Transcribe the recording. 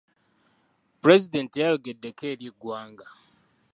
Pulezidenti teyayogeddeko eri ggwanga.